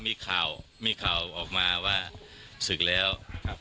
มีข่าวมีข่าวออกมาว่าศึกแล้วครับ